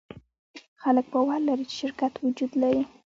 خلک باور لري، چې شرکت وجود لري.